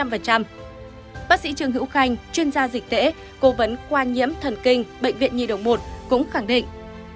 bác sĩ trương hữu khanh chuyên gia dịch tễ cố vấn khoa nhiễm thần kinh bệnh viện nhi đồng một cũng khẳng định